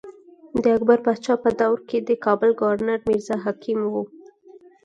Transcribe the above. د اکبر باچا په دور کښې د کابل ګورنر مرزا حکيم وو۔